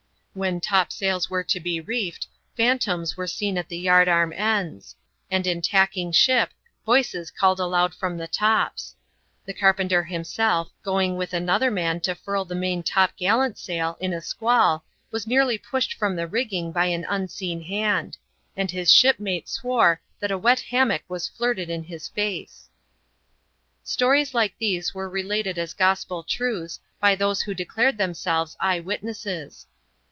When top sails were to be reefed, phantoms were seen at the yard arm ends; and in tacking ship, voices called aloud &om the tops. The carpenter himself, going with another man to furl the main top gallant>sail in a squall, was nearly pushed from the rigging by an unseen hand ; and his shipmate swore that a wet hammock was flirted in his face* Stories like these were related as gospel truths, by those who declared themselves eye witnesses.